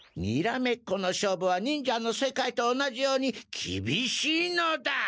にらめっこの勝負は忍者の世界と同じようにきびしいのだ。